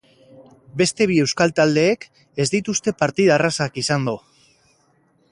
Beste bi euskal taldeek ez dituzte partida errazak izando.